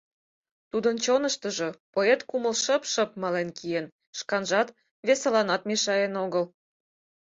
Тудын чоныштыжо поэт кумыл шып-шып мален киен, шканжат, весыланат мешаен огыл.